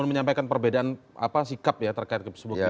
kalau menyampaikan perbedaan apa sikap ya terkait sebuah kebijakan